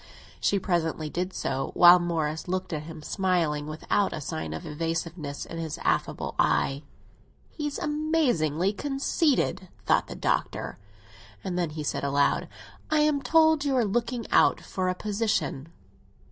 She presently did so, while Morris looked at him, smiling, without a sign of evasiveness in his affable eye. "He's amazingly conceited!" thought the Doctor; and then he said aloud: "I am told you are looking out for a position."